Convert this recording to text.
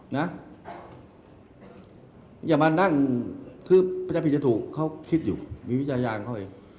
อย่ามานั่งคือประจำผิดจะถูกเขาคิดอยู่มีวิจารณ์เขาเอง